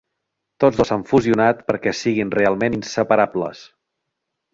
Tots dos s'han fusionat perquè siguin realment inseparables.